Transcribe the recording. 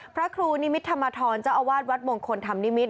พระครูนิมิตรธรรมธรเจ้าอาวาสวัดมงคลธรรมนิมิต